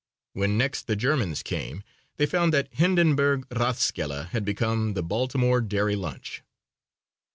When next the Germans came they found that Hindenburg Rathskeller had become the Baltimore Dairy Lunch.